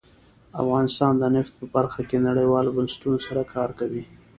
افغانستان د نفت په برخه کې نړیوالو بنسټونو سره کار کوي.